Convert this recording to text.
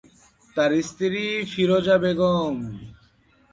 তার স্ত্রী ফিরোজা বেগম।